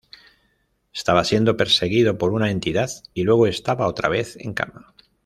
Estaba siendo perseguido por una entidad y luego estaba otra vez en cama.